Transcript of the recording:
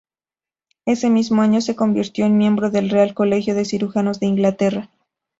Ese mismo año se convirtió en miembro del Real Colegio de Cirujanos de Inglaterra.